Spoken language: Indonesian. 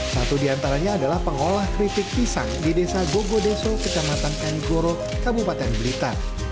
satu di antaranya adalah pengolah keripik pisang di desa gogodeso kecamatan kanggoro kabupaten blitar